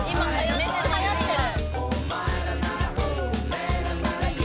めっちゃはやってる。